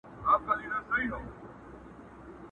هغه خپلواک او د بګړیو وطن!